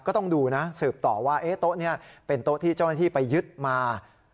ก็ต้องดูนะสืบต่อว่าโต๊ะนี้เป็นโต๊ะที่เจ้าหน้าที่ไปยึดมา